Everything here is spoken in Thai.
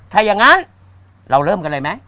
ถ้าอย่างนั้นเราเริ่มกันเลยไหม